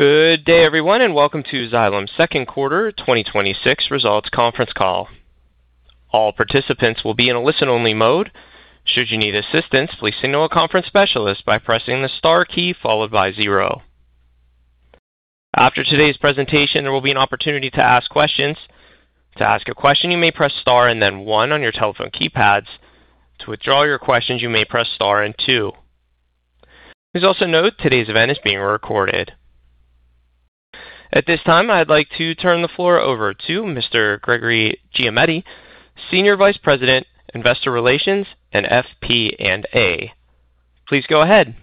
Good day, everyone. Welcome to Xylem's second quarter 2026 results conference call. All participants will be in a listen-only mode. Should you need assistance, please signal a conference specialist by pressing the star key followed by zero. After today's presentation, there will be an opportunity to ask questions. To ask a question, you may press star and then one on your telephone keypads. To withdraw your questions, you may press star and two. Please also note today's event is being recorded. At this time, I'd like to turn the floor over to Mr. Gregory Giometti, Senior Vice President, Investor Relations and FP&A. Please go ahead.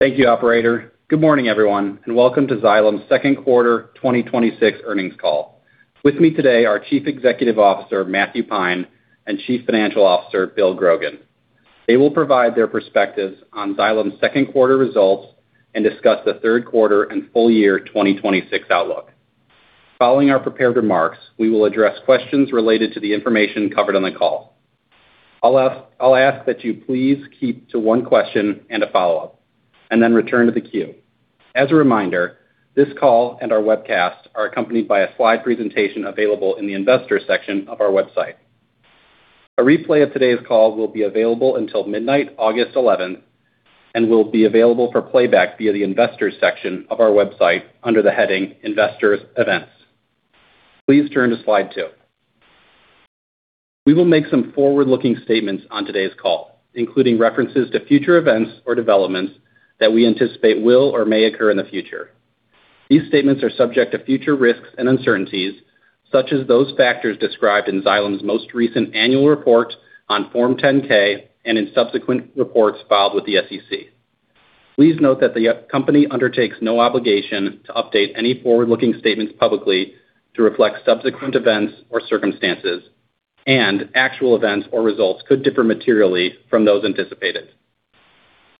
Thank you, operator. Good morning, everyone. Welcome to Xylem's second quarter 2026 earnings call. With me today are Chief Executive Officer, Matthew Pine, and Chief Financial Officer, Bill Grogan. They will provide their perspectives on Xylem's second quarter results and discuss the third quarter and full-year 2026 outlook. Following our prepared remarks, we will address questions related to the information covered on the call. I'll ask that you please keep to one question and a follow-up, then return to the queue. As a reminder, this call and our webcast are accompanied by a slide presentation available in the Investors section of our website. A replay of today's call will be available until midnight, August 11th and will be available for playback via the Investors section of our website under the heading Investors Events. Please turn to slide two. We will make some forward-looking statements on today's call, including references to future events or developments that we anticipate will or may occur in the future. These statements are subject to future risks and uncertainties, such as those factors described in Xylem's most recent annual report on Form 10-K and in subsequent reports filed with the SEC. Please note that the company undertakes no obligation to update any forward-looking statements publicly to reflect subsequent events or circumstances. Actual events or results could differ materially from those anticipated.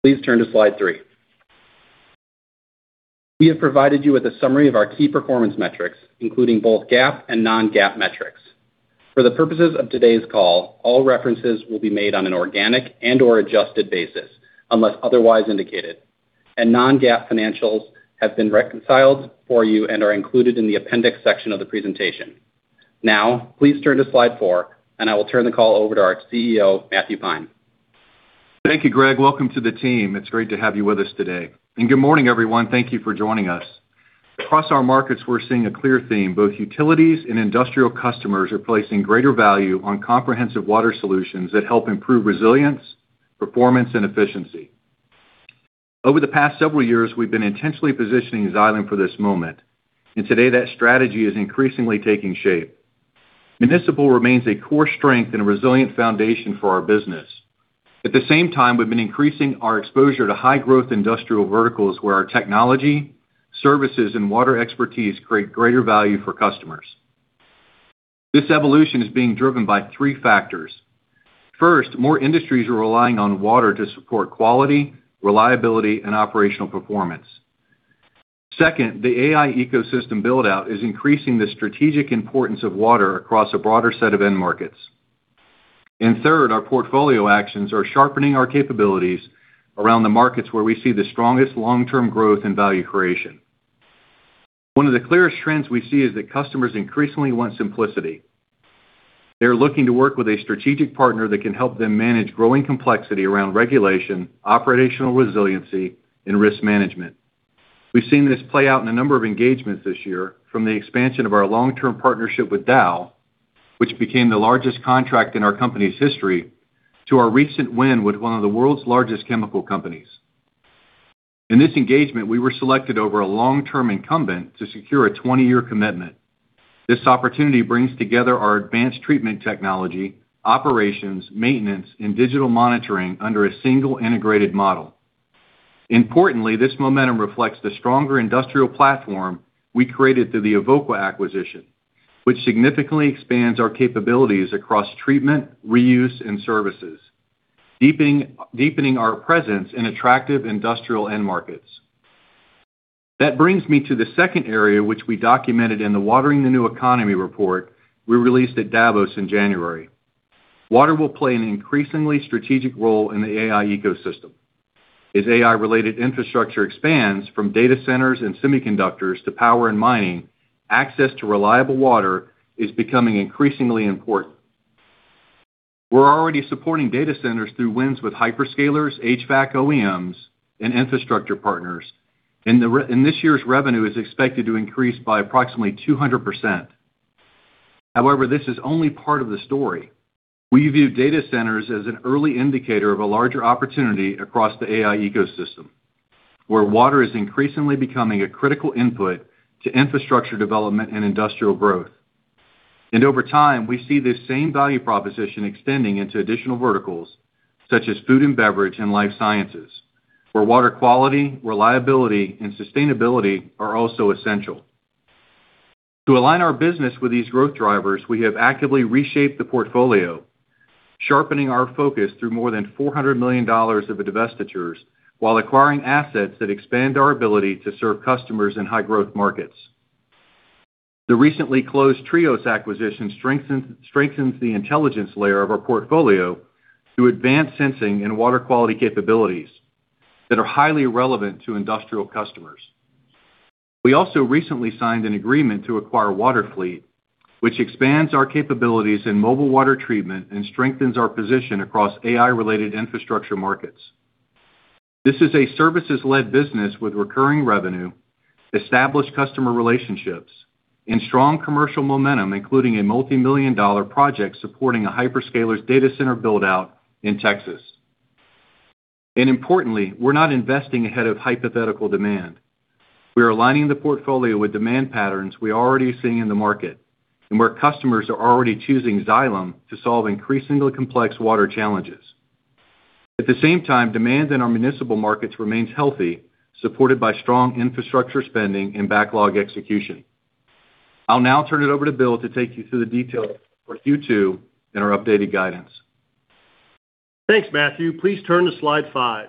Please turn to slide three. We have provided you with a summary of our key performance metrics, including both GAAP and non-GAAP metrics. For the purposes of today's call, all references will be made on an organic and/or adjusted basis, unless otherwise indicated. Non-GAAP financials have been reconciled for you and are included in the appendix section of the presentation. Now, please turn to slide four. I will turn the call over to our CEO, Matthew Pine. Thank you, Greg. Welcome to the team. It's great to have you with us today. Good morning, everyone. Thank you for joining us. Across our markets, we're seeing a clear theme. Both utilities and industrial customers are placing greater value on comprehensive water solutions that help improve resilience, performance, and efficiency. Over the past several years, we've been intentionally positioning Xylem for this moment, and today that strategy is increasingly taking shape. Municipal remains a core strength and a resilient foundation for our business. At the same time, we've been increasing our exposure to high growth industrial verticals where our technology, services, and water expertise create greater value for customers. This evolution is being driven by three factors. First, more industries are relying on water to support quality, reliability, and operational performance. Second, the AI ecosystem build-out is increasing the strategic importance of water across a broader set of end markets. Third, our portfolio actions are sharpening our capabilities around the markets where we see the strongest long-term growth and value creation. One of the clearest trends we see is that customers increasingly want simplicity. They're looking to work with a strategic partner that can help them manage growing complexity around regulation, operational resiliency, and risk management. We've seen this play out in a number of engagements this year, from the expansion of our long-term partnership with Dow, which became the largest contract in our company's history, to our recent win with one of the world's largest chemical companies. In this engagement, we were selected over a long-term incumbent to secure a 20-year commitment. This opportunity brings together our advanced treatment technology, operations, maintenance, and digital monitoring under a single integrated model. Importantly, this momentum reflects the stronger industrial platform we created through the Evoqua acquisition, which significantly expands our capabilities across treatment, reuse, and services, deepening our presence in attractive industrial end markets. That brings me to the second area, which we documented in the Watering the New Economy report we released at Davos in January. Water will play an increasingly strategic role in the AI ecosystem. As AI-related infrastructure expands from data centers and semiconductors to power and mining, access to reliable water is becoming increasingly important. We're already supporting data centers through wins with hyperscalers, HVAC OEMs, and infrastructure partners, and this year's revenue is expected to increase by approximately 200%. However, this is only part of the story. We view data centers as an early indicator of a larger opportunity across the AI ecosystem, where water is increasingly becoming a critical input to infrastructure development and industrial growth. Over time, we see this same value proposition extending into additional verticals such as food and beverage and life sciences, where water quality, reliability, and sustainability are also essential. To align our business with these growth drivers, we have actively reshaped the portfolio, sharpening our focus through more than $400 million of divestitures while acquiring assets that expand our ability to serve customers in high-growth markets. The recently closed TriOS acquisition strengthens the intelligence layer of our portfolio through advanced sensing and water quality capabilities that are highly relevant to industrial customers. We also recently signed an agreement to acquire WaterFleet, which expands our capabilities in mobile water treatment and strengthens our position across AI-related infrastructure markets. This is a services-led business with recurring revenue, established customer relationships, and strong commercial momentum, including a multimillion-dollar project supporting a hyperscaler's data center build-out in Texas. Importantly, we're not investing ahead of hypothetical demand. We are aligning the portfolio with demand patterns we are already seeing in the market, and where customers are already choosing Xylem to solve increasingly complex water challenges. At the same time, demand in our municipal markets remains healthy, supported by strong infrastructure spending and backlog execution. I'll now turn it over to Bill to take you through the details for Q2 and our updated guidance. Thanks, Matthew. Please turn to slide five.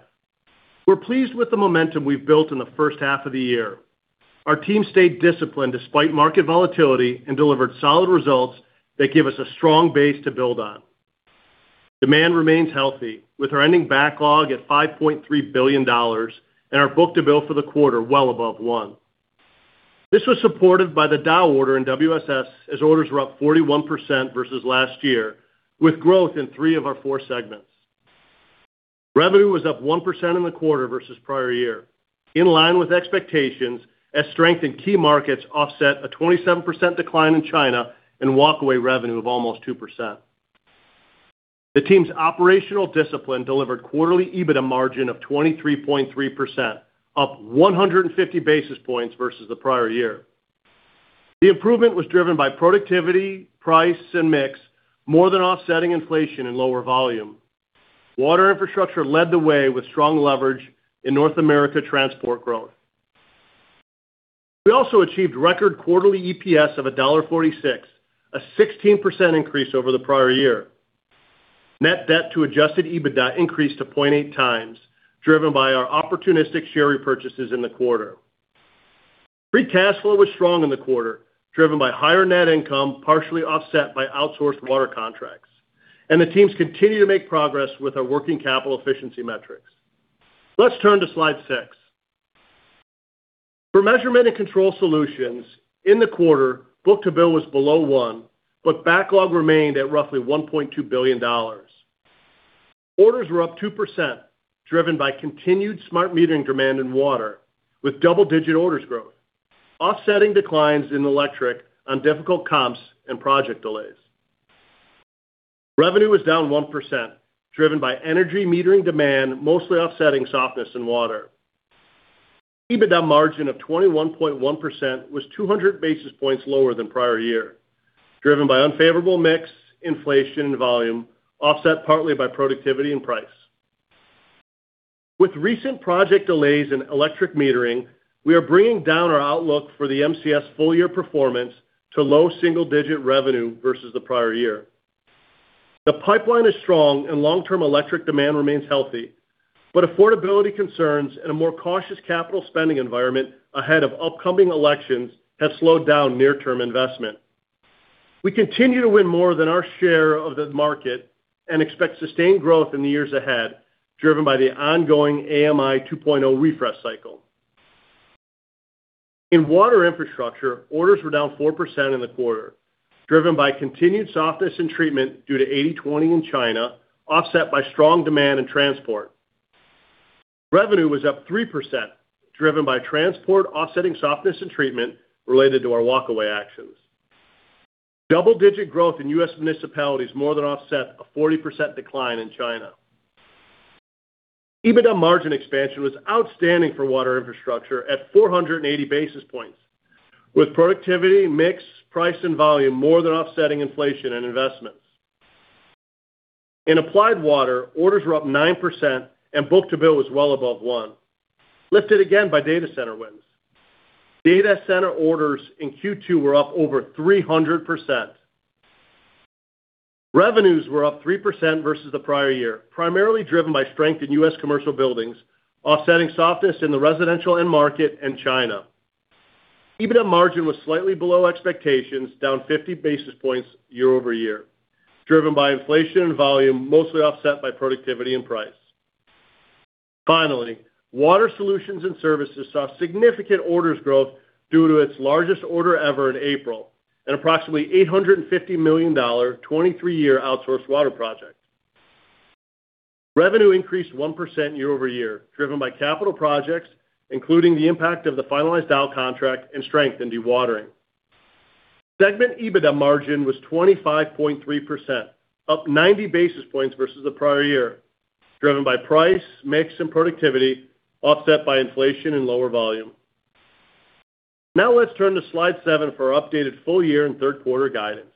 We're pleased with the momentum we've built in the first half of the year. Our team stayed disciplined despite market volatility and delivered solid results that give us a strong base to build on. Demand remains healthy, with our ending backlog at $5.3 billion, and our book-to-bill for the quarter well above one. This was supported by the Dow order in WSS, as orders were up 41% versus last year, with growth in three of our four segments. Revenue was up 1% in the quarter versus prior year, in line with expectations as strength in key markets offset a 27% decline in China and walkaway revenue of almost 2%. The team's operational discipline delivered quarterly EBITDA margin of 23.3%, up 150 basis points versus the prior year. The improvement was driven by productivity, price, and mix, more than offsetting inflation and lower volume. Water Infrastructure led the way with strong leverage in North America transport growth. We also achieved record quarterly EPS of $1.46, a 16% increase over the prior year. Net debt to adjusted EBITDA increased to 0.8 times, driven by our opportunistic share repurchases in the quarter. Free cash flow was strong in the quarter, driven by higher net income, partially offset by outsourced water contracts. The teams continue to make progress with our working capital efficiency metrics. Let's turn to slide six. For Measurement and Control Solutions, in the quarter, book-to-bill was below one, but backlog remained at roughly $1.2 billion. Orders were up 2%, driven by continued smart metering demand in Water, with double-digit orders growth, offsetting declines in Electric on difficult comps and project delays. Revenue was down 1%, driven by energy metering demand, mostly offsetting softness in Water. EBITDA margin of 21.1% was 200 basis points lower than prior year, driven by unfavorable mix, inflation, and volume, offset partly by productivity and price. With recent project delays in Electric metering, we are bringing down our outlook for the MCS full-year performance to low double-digit revenue versus the prior year. The pipeline is strong and long-term electric demand remains healthy, but affordability concerns and a more cautious capital spending environment ahead of upcoming elections have slowed down near-term investment. We continue to win more than our share of the market and expect sustained growth in the years ahead, driven by the ongoing AMI 2.0 refresh cycle. In Water Infrastructure, orders were down 4% in the quarter, driven by continued softness in treatment due to 80/20 in China, offset by strong demand in transport. Revenue was up 3%, driven by transport offsetting softness in treatment related to our walkaway actions. Double-digit growth in U.S. municipalities more than offset a 40% decline in China. EBITDA margin expansion was outstanding for Water Infrastructure at 480 basis points, with productivity, mix, price, and volume more than offsetting inflation and investments. In Applied Water, orders were up 9% and book-to-bill was well above one, lifted again by data center wins. Data center orders in Q2 were up over 300%. Revenues were up 3% versus the prior year, primarily driven by strength in U.S. commercial buildings, offsetting softness in the residential end market and China. EBITDA margin was slightly below expectations, down 50 basis points year-over-year, driven by inflation and volume, mostly offset by productivity and price. Finally, Water Solutions and Services saw significant orders growth due to its largest order ever in April, an approximately $850 million, 23-year outsourced water project. Revenue increased 1% year-over-year, driven by capital projects, including the impact of the finalized Dow contract and strength in dewatering. Segment EBITDA margin was 25.3%, up 90 basis points versus the prior year, driven by price, mix, and productivity, offset by inflation and lower volume. Let's turn to slide seven for our updated full-year and third quarter guidance.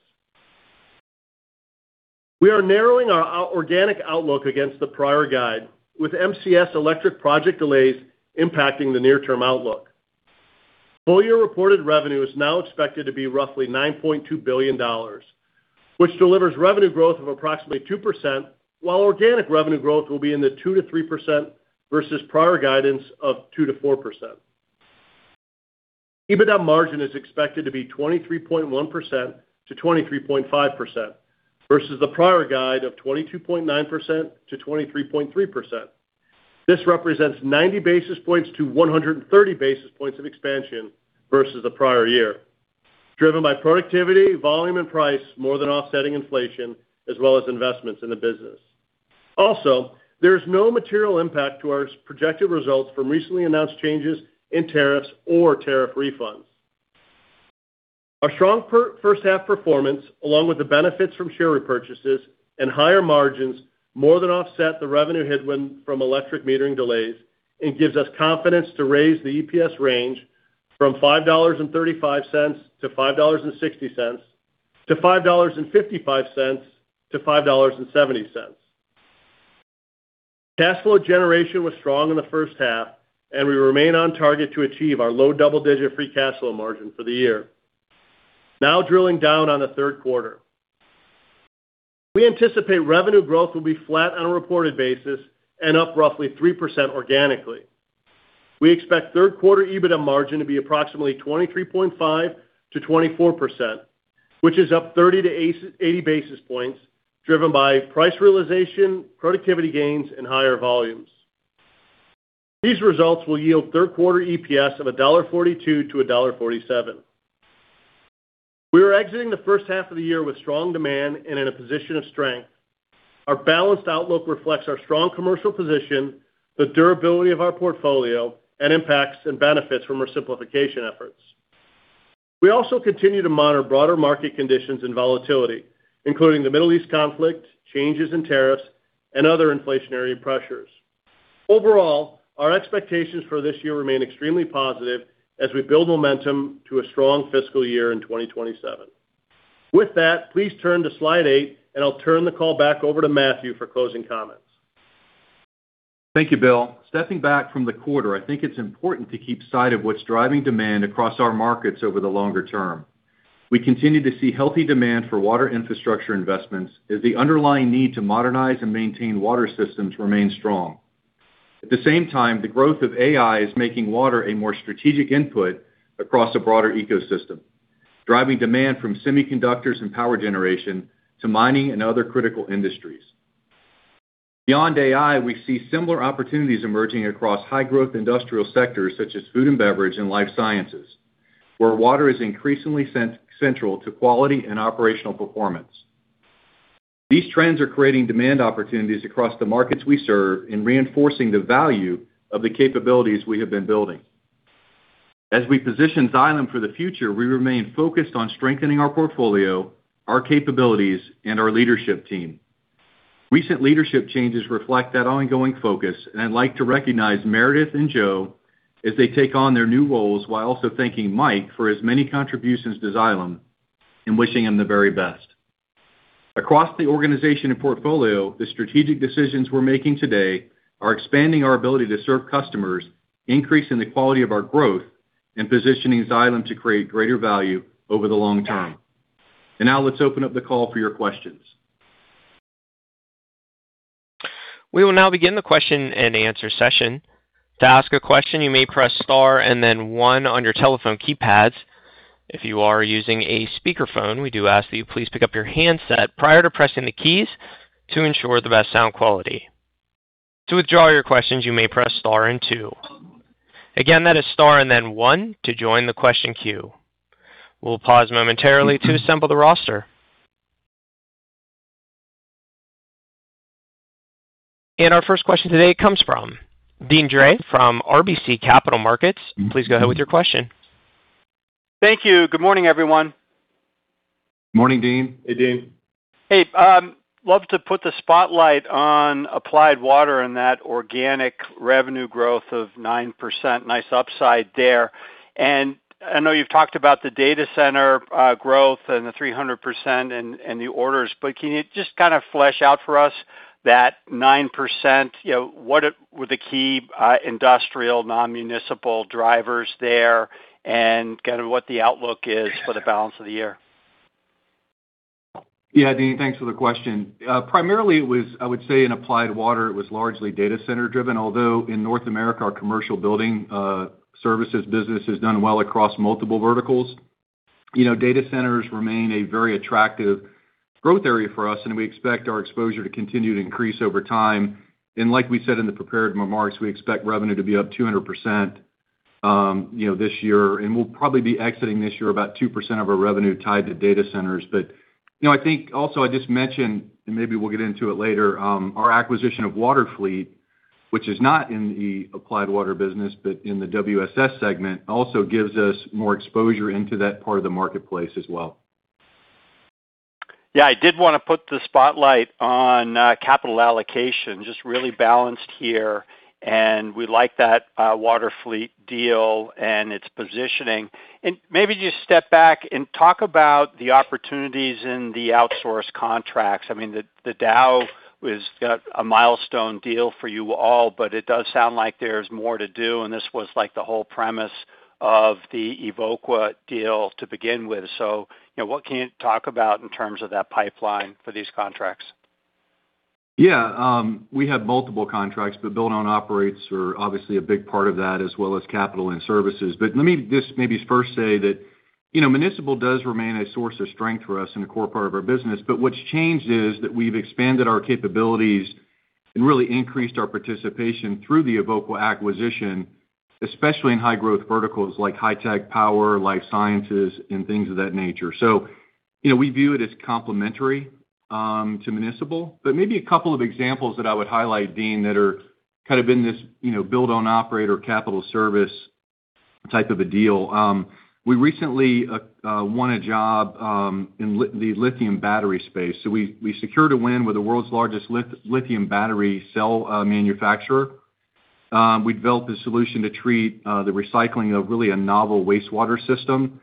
We are narrowing our organic outlook against the prior guide, with MCS electric project delays impacting the near-term outlook. Full-year reported revenue is now expected to be roughly $9.2 billion which delivers revenue growth of approximately 2%, while organic revenue growth will be in the 2%-3%, versus prior guidance of 2%-4%. EBITDA margin is expected to be 23.1%-23.5%, versus the prior guide of 22.9%-23.3%. This represents 90 basis points-130 basis points of expansion versus the prior year, driven by productivity, volume, and price more than offsetting inflation, as well as investments in the business. Also, there is no material impact to our projected results from recently announced changes in tariffs or tariff refunds. Our strong first half performance, along with the benefits from share repurchases and higher margins, more than offset the revenue headwind from electric metering delays and gives us confidence to raise the EPS range from $5.35-$5.60 to $5.55-$5.70. Cash flow generation was strong in the first half, and we remain on target to achieve our low double-digit free cash flow margin for the year. Drilling down on the third quarter. We anticipate revenue growth will be flat on a reported basis and up roughly 3% organically. We expect third quarter EBITDA margin to be approximately 23.5%-24%, which is up 30 basis points-80 basis points, driven by price realization, productivity gains, and higher volumes. These results will yield third quarter EPS of $1.42-$1.47. We are exiting the first half of the year with strong demand and in a position of strength. Our balanced outlook reflects our strong commercial position, the durability of our portfolio, and impacts and benefits from our simplification efforts. We also continue to monitor broader market conditions and volatility, including the Middle East conflict, changes in tariffs, and other inflationary pressures. Our expectations for this year remain extremely positive as we build momentum to a strong fiscal year in 2027. With that, please turn to slide eight, I'll turn the call back over to Matthew for closing comments. Thank you, Bill. Stepping back from the quarter, I think it's important to keep sight of what's driving demand across our markets over the longer term. We continue to see healthy demand for Water Infrastructure investments as the underlying need to modernize and maintain water systems remains strong. At the same time, the growth of AI is making water a more strategic input across a broader ecosystem, driving demand from semiconductors and power generation to mining and other critical industries. Beyond AI, we see similar opportunities emerging across high growth industrial sectors such as food and beverage and life sciences, where water is increasingly central to quality and operational performance. These trends are creating demand opportunities across the markets we serve in reinforcing the value of the capabilities we have been building. As we position Xylem for the future, we remain focused on strengthening our portfolio, our capabilities, and our leadership team. Recent leadership changes reflect that ongoing focus. I'd like to recognize Meredith and Joe as they take on their new roles, while also thanking Mike for his many contributions to Xylem and wishing him the very best. Across the organization and portfolio, the strategic decisions we're making today are expanding our ability to serve customers, increasing the quality of our growth, and positioning Xylem to create greater value over the long term. Now let's open up the call for your questions. We will now begin the question and answer session. To ask a question, you may press star and then one on your telephone keypads. If you are using a speakerphone, we do ask that you please pick up your handset prior to pressing the keys to ensure the best sound quality. To withdraw your questions, you may press star and two. Again, that is star and then one to join the question queue. We'll pause momentarily to assemble the roster. Our first question today comes from Deane Dray from RBC Capital Markets. Please go ahead with your question. Thank you. Good morning, everyone. Morning, Deane. Hey, Deane. Hey. Love to put the spotlight on Applied Water and that organic revenue growth of 9%. Nice upside there. I know you've talked about the data center growth and the 300% and the orders, can you just kind of flesh out for us that 9%? What were the key industrial non-municipal drivers there and kind of what the outlook is for the balance of the year? Yeah, Deane, thanks for the question. Primarily, I would say in Applied Water, it was largely data center driven, although in North America, our commercial building services business has done well across multiple verticals. Data centers remain a very attractive growth area for us, and we expect our exposure to continue to increase over time. Like we said in the prepared remarks, we expect revenue to be up 200% this year. We'll probably be exiting this year about 2% of our revenue tied to data centers. I think also, I just mentioned, and maybe we'll get into it later, our acquisition of WaterFleet, which is not in the Applied Water business but in the WSS segment, also gives us more exposure into that part of the marketplace as well. Yeah, I did want to put the spotlight on capital allocation, just really balanced here, and we like that WaterFleet deal and its positioning. Maybe just step back and talk about the opportunities in the outsource contracts. I mean, Dow has got a milestone deal for you all, but it does sound like there's more to do, and this was like the whole premise of the Evoqua deal to begin with. What can you talk about in terms of that pipeline for these contracts? Yeah. We have multiple contracts, but Build-Own-Operates are obviously a big part of that, as well as capital and services. Let me just maybe first say that municipal does remain a source of strength for us and a core part of our business. What's changed is that we've expanded our capabilities and really increased our participation through the Evoqua acquisition, especially in high growth verticals like high tech power, life sciences, and things of that nature. We view it as complementary to municipal. Maybe a couple of examples that I would highlight, Deane, that are in this Build-Own-Operate or capital service type of a deal. We recently won a job in the lithium battery space. We secured a win with the world's largest lithium battery cell manufacturer. We developed a solution to treat the recycling of really a novel wastewater system.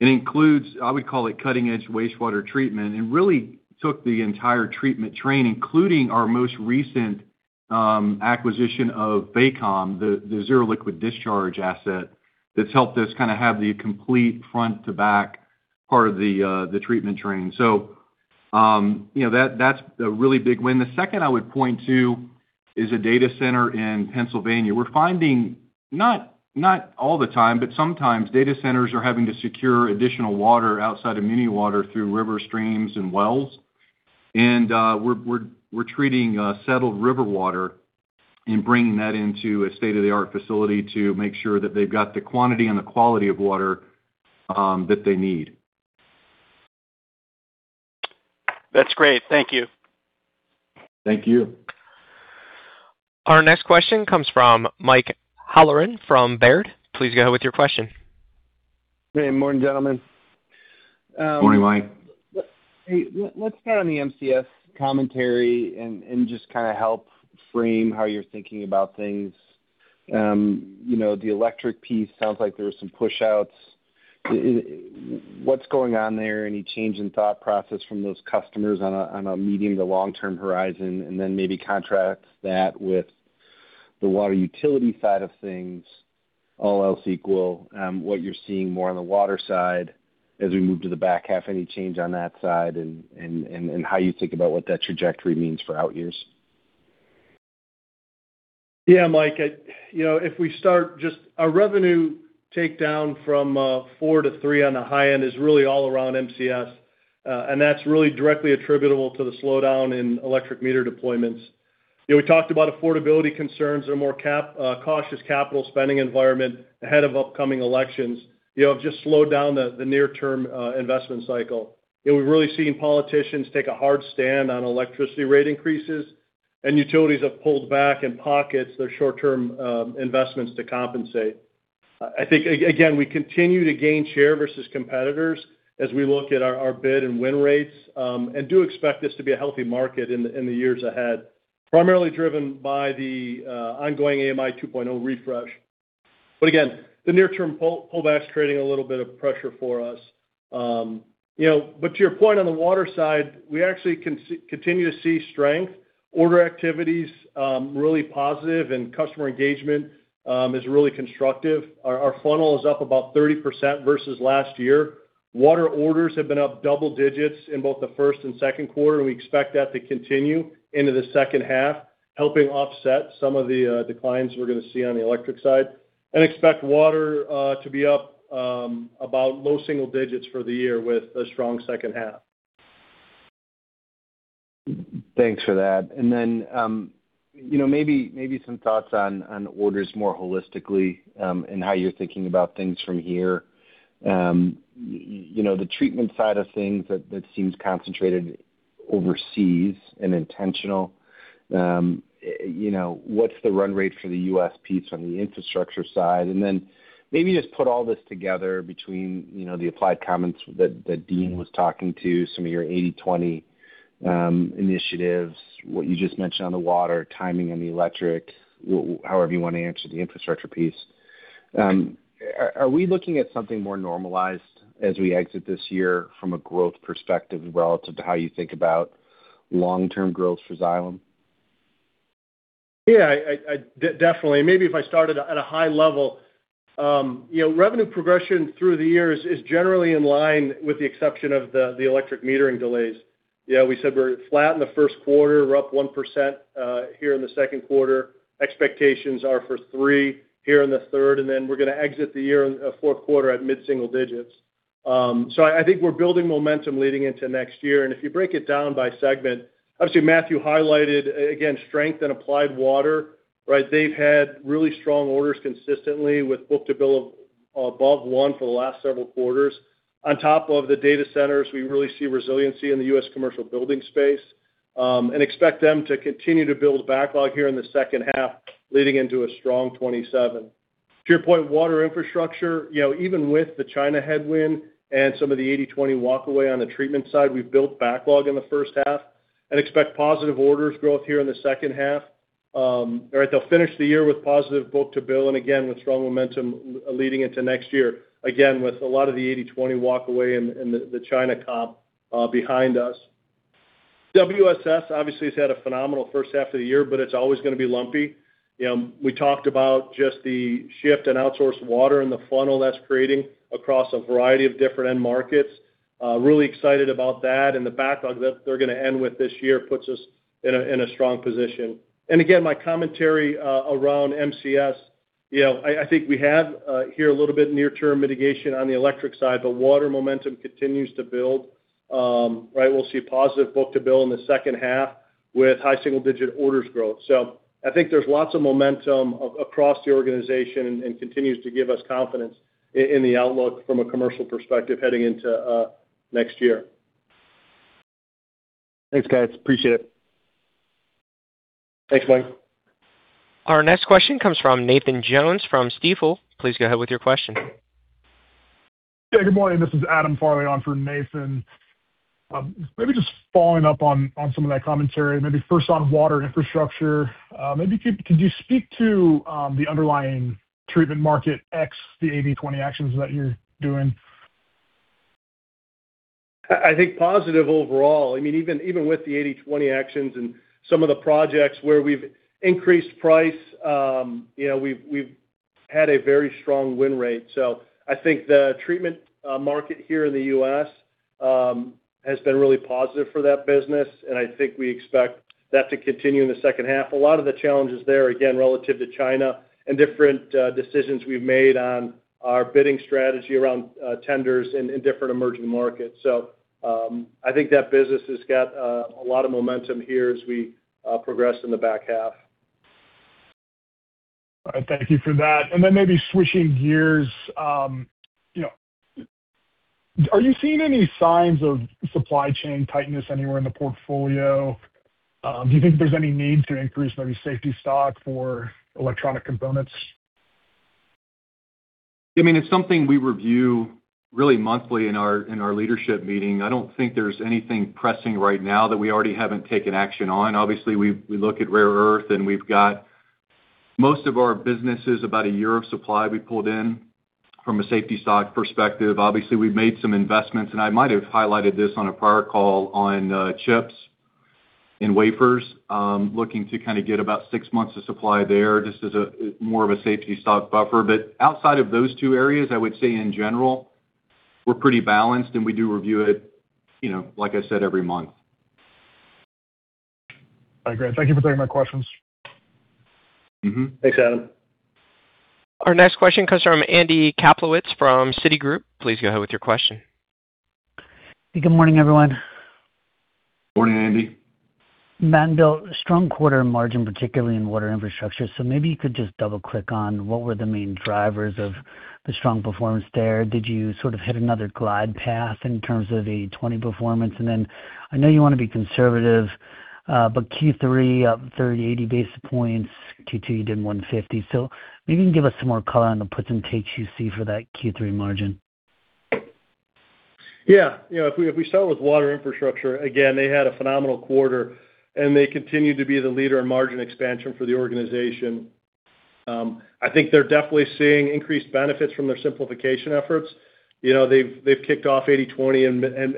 It includes, I would call it, cutting-edge wastewater treatment, and really took the entire treatment train, including our most recent acquisition of Baycom, the Zero Liquid Discharge asset, that's helped us have the complete front to back part of the treatment train. That's a really big win. The second I would point to is a data center in Pennsylvania. We're finding, not all the time, but sometimes, data centers are having to secure additional water outside of muni water through river streams and wells. We're treating settled river water and bringing that into a state-of-the-art facility to make sure that they've got the quantity and the quality of water that they need. That's great. Thank you. Thank you. Our next question comes from Mike Halloran from Baird. Please go ahead with your question. Hey, good morning, gentlemen. Morning, Mike. Hey, let's start on the MCS commentary and just help frame how you're thinking about things. The electric piece sounds like there was some push-outs. What's going on there? Any change in thought process from those customers on a medium to long-term horizon? Then maybe contrast that with the water utility side of things, all else equal, what you're seeing more on the water side as we move to the back half, any change on that side and how you think about what that trajectory means for out years? Yeah, Mike. If we start just, our revenue takedown from four to three on the high end is really all around MCS. That's really directly attributable to the slowdown in electric meter deployments. We talked about affordability concerns or more cautious capital spending environment ahead of upcoming elections, have just slowed down the near-term investment cycle. We've really seen politicians take a hard stand on electricity rate increases, and utilities have pulled back and pocket their short-term investments to compensate. I think, again, we continue to gain share versus competitors as we look at our bid and win rates, and do expect this to be a healthy market in the years ahead. Primarily driven by the ongoing AMI 2.0 refresh. Again, the near-term pullback's creating a little bit of pressure for us. To your point on the water side, we actually continue to see strength. Order activity's really positive and customer engagement is really constructive. Our funnel is up about 30% versus last year. Water orders have been up double digits in both the first and second quarter. We expect that to continue into the second half, helping offset some of the declines we're going to see on the electric side, and expect water to be up about low single digits for the year with a strong second half. Thanks for that. Then maybe some thoughts on orders more holistically, and how you're thinking about things from here. The treatment side of things, that seems concentrated overseas and intentional. What's the run rate for the U.S. piece on the infrastructure side? Then maybe just put all this together between the Applied comments that Deane was talking to, some of your 80/20 initiatives, what you just mentioned on the water, timing on the electric, however you want to answer the infrastructure piece. Are we looking at something more normalized as we exit this year from a growth perspective relative to how you think about long-term growth for Xylem? Yeah. Definitely. Maybe if I started at a high level. Revenue progression through the years is generally in line with the exception of the electric metering delays. We said we're flat in the first quarter. We're up 1% here in the second quarter. Expectations are for three here in the third, then we're going to exit the year in the fourth quarter at mid-single digits. I think we're building momentum leading into next year. If you break it down by segment, obviously Matthew highlighted, again, strength in Applied Water, right? They've had really strong orders consistently with book-to-bill above one for the last several quarters. On top of the data centers, we really see resiliency in the U.S. commercial building space, and expect them to continue to build backlog here in the second half leading into a strong 2027. To your point, Water Infrastructure, even with the China headwind and some of the 80/20 walk away on the treatment side, we've built backlog in the first half and expect positive orders growth here in the second half. They'll finish the year with positive book-to-bill, and again, with strong momentum leading into next year. Again, with a lot of the 80/20 walk away and the China comp behind us. WSS obviously has had a phenomenal first half of the year, but it's always going to be lumpy. We talked about just the shift in outsourced water and the funnel that's creating across a variety of different end markets. Really excited about that, the backlog that they're going to end with this year puts us in a strong position. Again, my commentary around MCS, I think we have here a little bit near-term mitigation on the electric side, but water momentum continues to build. We'll see positive book-to-bill in the second half with high single-digit orders growth. I think there's lots of momentum across the organization, and continues to give us confidence in the outlook from a commercial perspective heading into next year. Thanks, guys. Appreciate it. Thanks, Mike. Our next question comes from Nathan Jones from Stifel. Please go ahead with your question. Yeah, good morning. This is Adam Farley on for Nathan. Maybe just following up on some of that commentary, maybe first on Water Infrastructure. Maybe could you speak to the underlying treatment market ex the 80/20 actions that you're doing? I think positive overall. Even with the 80/20 actions and some of the projects where we've increased price, we've had a very strong win rate. I think the treatment market here in the U.S. has been really positive for that business, and I think we expect that to continue in the second half. A lot of the challenges there, again, relative to China and different decisions we've made on our bidding strategy around tenders in different emerging markets. I think that business has got a lot of momentum here as we progress in the back half. All right. Thank you for that. Then maybe switching gears. Are you seeing any signs of supply chain tightness anywhere in the portfolio? Do you think there's any need to increase maybe safety stock for electronic components? It's something we review really monthly in our leadership meeting. I don't think there's anything pressing right now that we already haven't taken action on. Obviously, we look at rare earth. We've got most of our businesses about a year of supply we pulled in from a safety stock perspective. Obviously, we've made some investments. I might have highlighted this on a prior call on chips and wafers, looking to kind of get about six months of supply there just as more of a safety stock buffer. Outside of those two areas, I would say in general, we're pretty balanced and we do review it, like I said, every month. All right, great. Thank you for taking my questions. Thanks, Adam. Our next question comes from Andy Kaplowitz from Citigroup. Please go ahead with your question. Good morning, everyone. Morning, Andy. Morning Bill, strong quarter in margin, particularly in Water Infrastructure. Maybe you could just double-click on what were the main drivers of the strong performance there. Did you sort of hit another glide path in terms of 80/20 performance? I know you want to be conservative, but Q3 up 30, 80 basis points, Q2, you did 150. Maybe you can give us some more color on the puts and takes you see for that Q3 margin. Yeah. If we start with Water Infrastructure, again, they had a phenomenal quarter, and they continue to be the leader in margin expansion for the organization. I think they're definitely seeing increased benefits from their simplification efforts. They've kicked off 80/20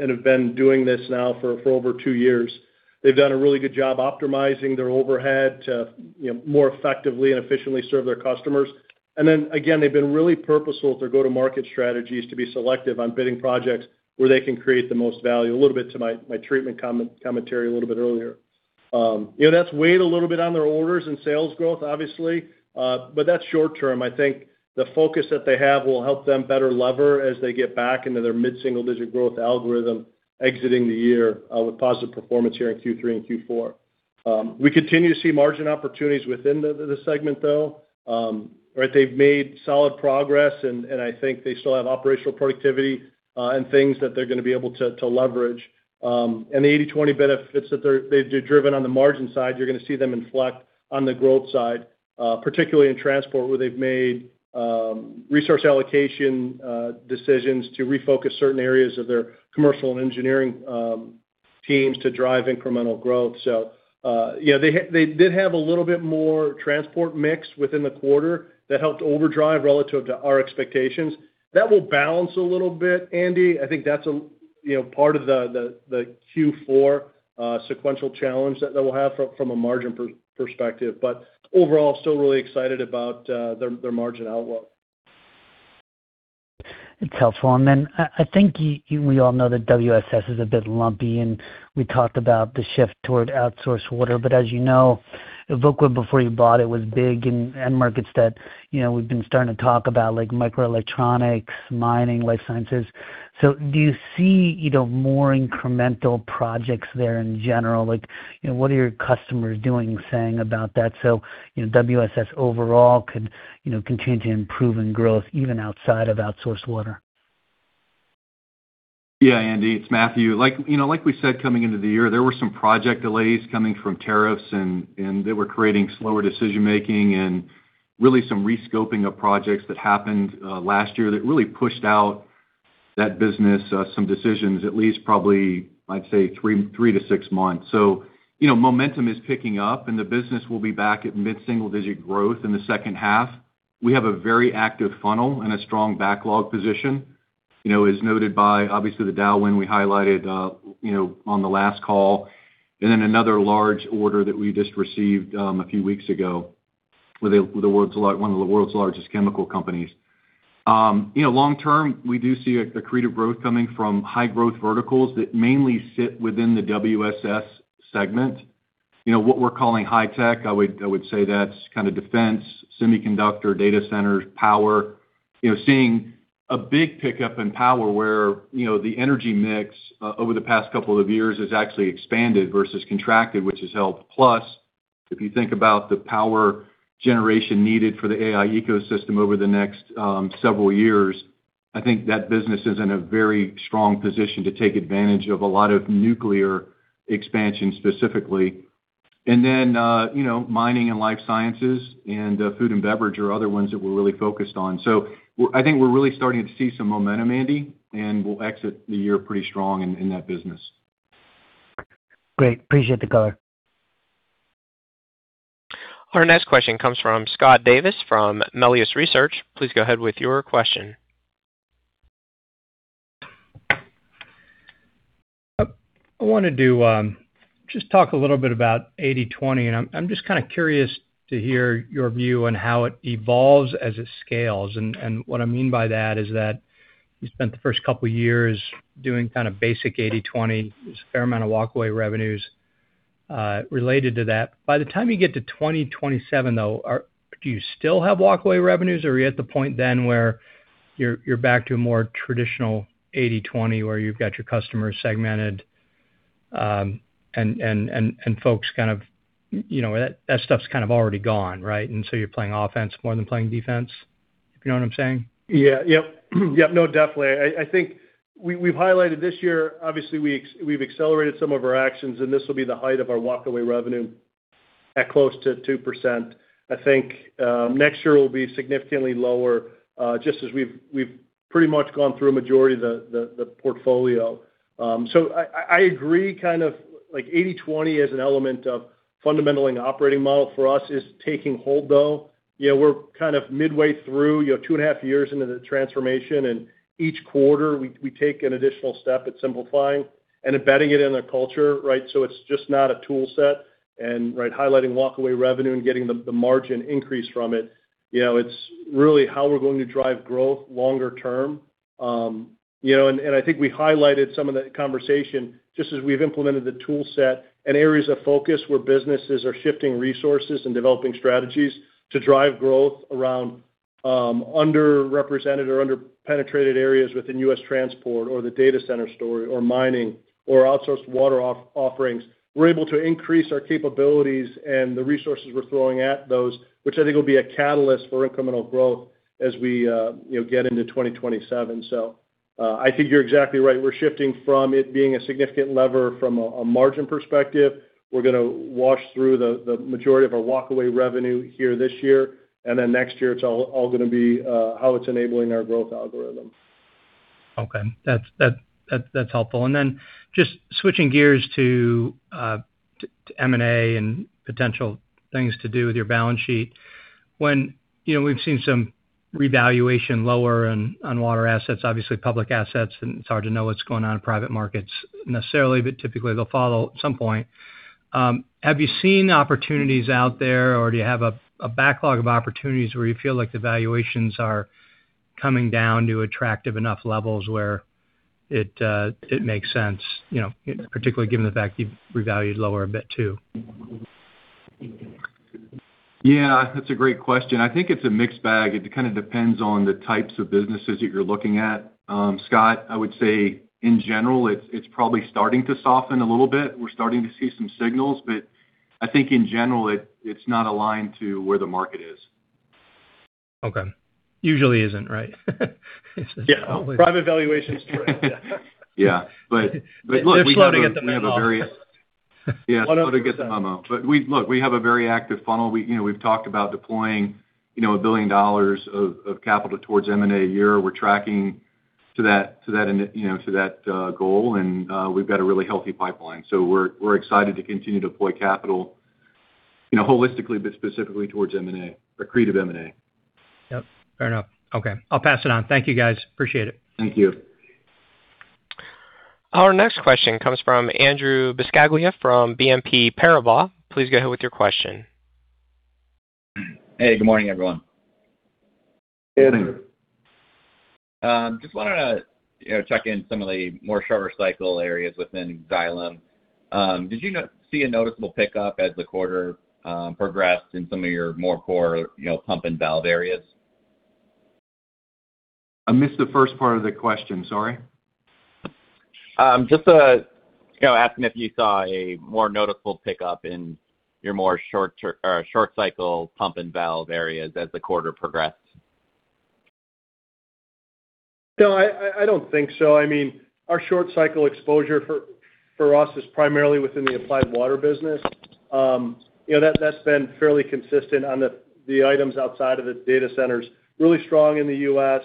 and have been doing this now for over two years. They've done a really good job optimizing their overhead to more effectively and efficiently serve their customers. They've been really purposeful with their go-to-market strategies to be selective on bidding projects where they can create the most value, a little bit to my treatment commentary a little bit earlier. That's weighed a little bit on their orders and sales growth, obviously. That's short-term. I think the focus that they have will help them better lever as they get back into their mid-single-digit growth algorithm exiting the year with positive performance here in Q3 and Q4. We continue to see margin opportunities within the segment, though. They've made solid progress, and I think they still have operational productivity and things that they're going to be able to leverage. The 80/20 benefits that they've driven on the margin side, you're going to see them inflect on the growth side, particularly in transport, where they've made resource allocation decisions to refocus certain areas of their commercial and engineering teams to drive incremental growth. They did have a little bit more transport mix within the quarter that helped overdrive relative to our expectations. That will balance a little bit, Andy. I think that's part of the Q4 sequential challenge that we'll have from a margin perspective. Overall, still really excited about their margin outlook. It's helpful. I think we all know that WSS is a bit lumpy, and we talked about the shift toward outsourced water. As you know, Evoqua before you bought it was big in end markets that we've been starting to talk about, like microelectronics, mining, life sciences. Do you see more incremental projects there in general? What are your customers doing and saying about that? WSS overall could continue to improve in growth even outside of outsourced water. Yeah, Andy, it's Matthew. Like we said, coming into the year, there were some project delays coming from tariffs, and they were creating slower decision-making and really some re-scoping of projects that happened last year that really pushed out that business, some decisions at least probably, I'd say three to six months. Momentum is picking up, and the business will be back at mid-single-digit growth in the second half. We have a very active funnel and a strong backlog position. As noted by, obviously, the Dow win we highlighted on the last call, another large order that we just received a few weeks ago. With one of the world's largest chemical companies. Long term, we do see accretive growth coming from high growth verticals that mainly sit within the WSS segment. What we're calling high tech, I would say that's kind of defense, semiconductor, data centers, power. Seeing a big pickup in power where the energy mix over the past couple of years has actually expanded versus contracted, which has helped. If you think about the power generation needed for the AI ecosystem over the next several years, I think that business is in a very strong position to take advantage of a lot of nuclear expansion, specifically. Mining and life sciences and food and beverage are other ones that we're really focused on. I think we're really starting to see some momentum, Andy, and we'll exit the year pretty strong in that business. Great. Appreciate the color. Our next question comes from Scott Davis from Melius Research. Please go ahead with your question. I wanted to just talk a little bit about 80/20, and I'm just kind of curious to hear your view on how it evolves as it scales. What I mean by that is that you spent the first couple of years doing kind of basic 80/20. There's a fair amount of walkaway revenues related to that. By the time you get to 2027, though, do you still have walkaway revenues, or are you at the point then where you're back to a more traditional 80/20, where you've got your customers segmented, and that stuff's kind of already gone, right? You're playing offense more than playing defense? If you know what I'm saying? No, definitely. I think we've highlighted this year, obviously, we've accelerated some of our actions, and this will be the height of our walkaway revenue at close to 2%. I think next year will be significantly lower, just as we've pretty much gone through a majority of the portfolio. I agree kind of like 80/20 as an element of fundamental and operating model for us is taking hold, though. We're kind of midway through, two and a half years into the transformation, and each quarter, we take an additional step at simplifying and embedding it in the culture, right? It's just not a tool set and highlighting walkaway revenue and getting the margin increase from it. It's really how we're going to drive growth longer term. I think we highlighted some of that conversation just as we've implemented the tool set and areas of focus where businesses are shifting resources and developing strategies to drive growth around underrepresented or under-penetrated areas within U.S. transport or the data center story or mining or outsourced water offerings. We're able to increase our capabilities and the resources we're throwing at those, which I think will be a catalyst for incremental growth as we get into 2027. I think you're exactly right. We're shifting from it being a significant lever from a margin perspective. We're going to wash through the majority of our walkaway revenue here this year, and then next year it's all going to be how it's enabling our growth algorithm. Okay. That's helpful. Then just switching gears to M&A and potential things to do with your balance sheet. When we've seen some revaluation lower on water assets, obviously public assets, and it's hard to know what's going on in private markets necessarily, but typically they'll follow at some point. Have you seen opportunities out there, or do you have a backlog of opportunities where you feel like the valuations are coming down to attractive enough levels where it makes sense, particularly given the fact you've revalued lower a bit, too? That's a great question. I think it's a mixed bag. It kind of depends on the types of businesses that you're looking at. Scott, I would say in general, it's probably starting to soften a little bit. We're starting to see some signals, but I think in general, it's not aligned to where the market is. Okay. Usually isn't, right? Yeah. Private valuation story. Yeah. Yeah. They're slow to get the memo. slow to get the memo. Look, we have a very active funnel. We've talked about deploying billion dollars of capital towards M&A a year. We're tracking to that goal, and we've got a really healthy pipeline. We're excited to continue to deploy capital holistically, but specifically towards M&A, accretive M&A. Yep, fair enough. Okay, I'll pass it on. Thank you, guys. Appreciate it. Thank you. Our next question comes from Andrew Buscaglia from BNP Paribas. Please go ahead with your question. Hey, good morning, everyone. Good morning. Just wanted to check in some of the more shorter cycle areas within Xylem. Did you see a noticeable pickup as the quarter progressed in some of your more core pump and valve areas? I missed the first part of the question, sorry. Just asking if you saw a more noticeable pickup in your more short cycle pump and valve areas as the quarter progressed. No, I don't think so. Our short cycle exposure for us is primarily within the Applied Water business. That's been fairly consistent on the items outside of the data centers. Really strong in the U.S.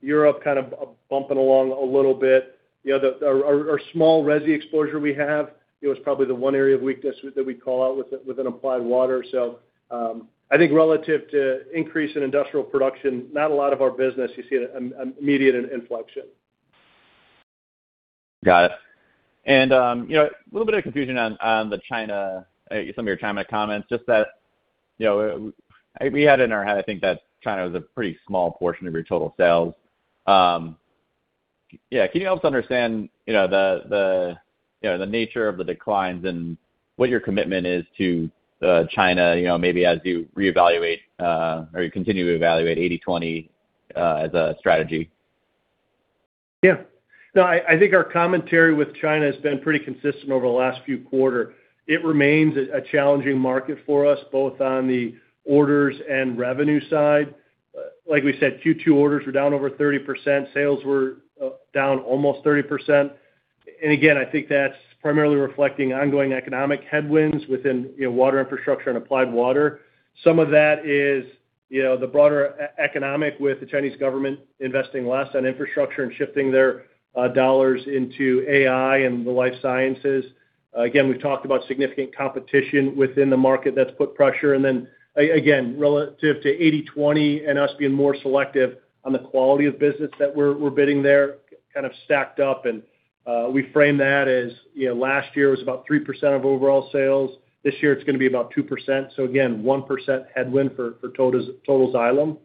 Europe kind of bumping along a little bit. Our small resi exposure we have, it was probably the one area of weakness that we'd call out within Applied Water. I think relative to increase in industrial production, not a lot of our business you see an immediate inflection. Got it. A little bit of confusion on some of your China comments. Just that, we had it in our head, I think, that China was a pretty small portion of your total sales. Can you help us understand the nature of the declines and what your commitment is to China, maybe as you reevaluate or continue to evaluate 80/20 as a strategy? Yeah. No, I think our commentary with China has been pretty consistent over the last few quarter. It remains a challenging market for us, both on the orders and revenue side. Like we said, Q2 orders were down over 30%, sales were down almost 30%. I think that's primarily reflecting ongoing economic headwinds within Water Infrastructure and Applied Water. Some of that is the broader economic, with the Chinese government investing less on infrastructure and shifting their dollars into AI and the life sciences. Again, we've talked about significant competition within the market that's put pressure. Then again, relative to 80/20 and us being more selective on the quality of business that we're bidding there, kind of stacked up. We frame that as last year was about 3% of overall sales. This year it's going to be about 2%. Again, 1% headwind for total Xylem.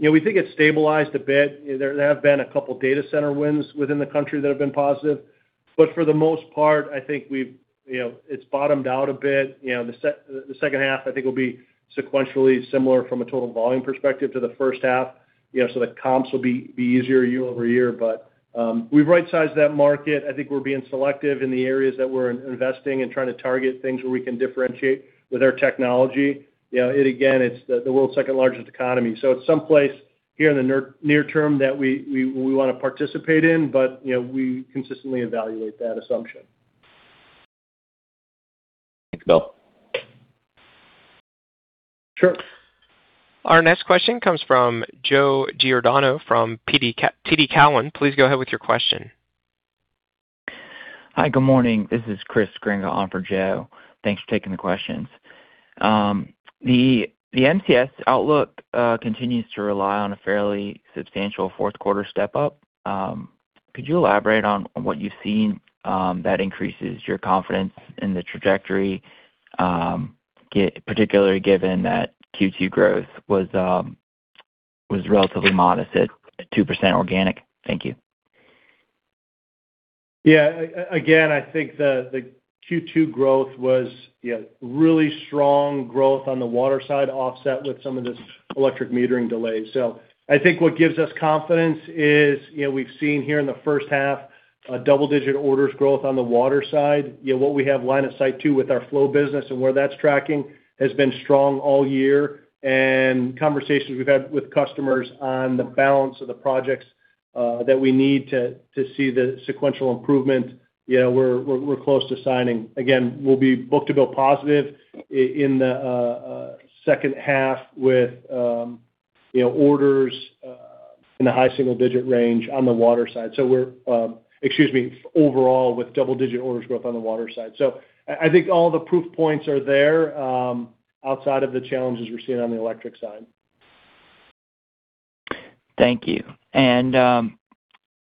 We think it's stabilized a bit. There have been a couple data center wins within the country that have been positive. For the most part, I think it's bottomed out a bit. The second half, I think, will be sequentially similar from a total volume perspective to the first half. The comps will be easier year-over-year. We've right-sized that market. I think we're being selective in the areas that we're investing and trying to target things where we can differentiate with our technology. Again, it's the world's second-largest economy, so it's someplace here in the near term that we want to participate in, but we consistently evaluate that assumption. Thanks, Bill. Sure. Our next question comes from Joe Giordano from TD Cowen. Please go ahead with your question. Hi, good morning. This is Chris Grenga on for Joe. Thanks for taking the questions. The MCS outlook continues to rely on a fairly substantial fourth quarter step-up. Could you elaborate on what you've seen that increases your confidence in the trajectory, particularly given that Q2 growth was relatively modest at 2% organic? Thank you. Yeah. Again, I think the Q2 growth was really strong growth on the water side, offset with some of this electric metering delay. I think what gives us confidence is we've seen here in the first half a double-digit orders growth on the water side. What we have line of sight to with our flow business and where that's tracking has been strong all year. Conversations we've had with customers on the balance of the projects that we need to see the sequential improvement, we're close to signing. Again, we'll be book-to-bill positive in the second half with orders in the high single-digit range on the water side. Excuse me, overall with double-digit orders growth on the water side. I think all the proof points are there outside of the challenges we're seeing on the electric side. Thank you.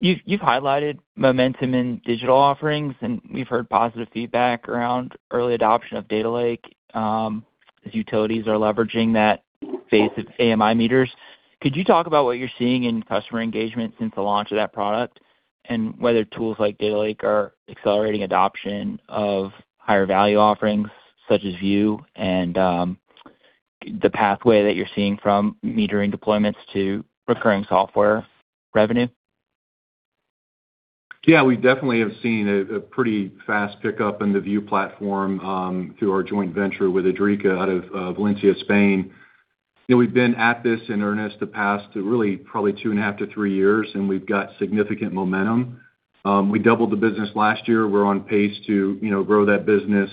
You've highlighted momentum in digital offerings, and we've heard positive feedback around early adoption of Data Lake as utilities are leveraging that base of AMI meters. Could you talk about what you're seeing in customer engagement since the launch of that product, and whether tools like Data Lake are accelerating adoption of higher-value offerings such as Vue and the pathway that you're seeing from metering deployments to recurring software revenue? Yeah, we definitely have seen a pretty fast pickup in the Vue platform through our joint venture with Idrica out of Valencia, Spain. We've been at this in earnest the past, really, probably two and a half to three years, and we've got significant momentum. We doubled the business last year. We're on pace to grow that business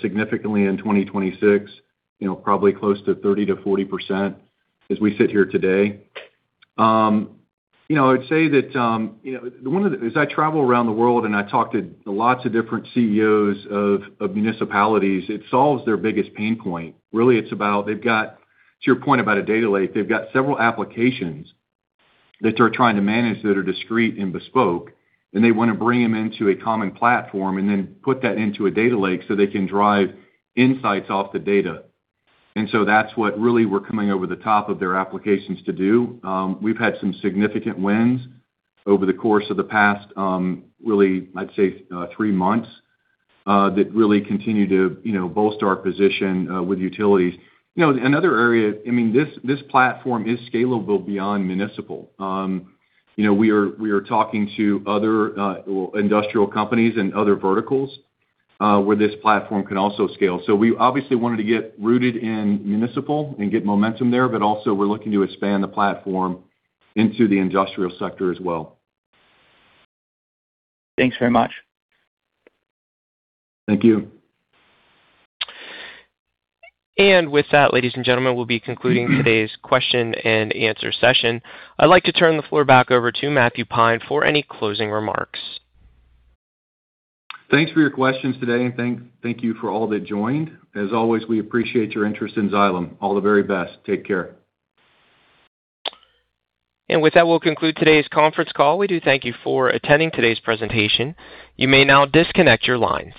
significantly in 2026, probably close to 30%-40% as we sit here today. I would say that as I travel around the world and I talk to lots of different CEOs of municipalities, it solves their biggest pain point. Really, to your point about a Data Lake, they've got several applications that they're trying to manage that are discreet and bespoke, and they want to bring them into a common platform and then put that into a Data Lake so they can drive insights off the data. That's what really we're coming over the top of their applications to do. We've had some significant wins over the course of the past, really, I'd say three months, that really continue to bolster our position with utilities. This platform is scalable beyond municipal. We are talking to other industrial companies and other verticals where this platform can also scale. We obviously wanted to get rooted in municipal and get momentum there, but also we're looking to expand the platform into the industrial sector as well. Thanks very much. Thank you. With that, ladies and gentlemen, we'll be concluding today's question and answer session. I'd like to turn the floor back over to Matthew Pine for any closing remarks. Thanks for your questions today, and thank you for all that joined. As always, we appreciate your interest in Xylem. All the very best. Take care. With that, we'll conclude today's conference call. We do thank you for attending today's presentation. You may now disconnect your lines.